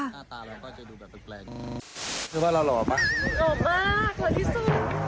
หน้าตาเราก็จะดูแบบแปลกคือว่าเราหล่อป่ะหล่อมากหล่อที่สุด